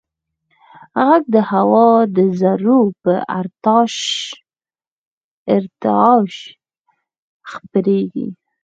غږ د هوا د ذرّو په ارتعاش خپرېږي.